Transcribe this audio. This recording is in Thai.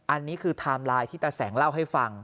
อันนี้คือไทม์ไลน์ที่ตาแสงเล่าให้ฟัง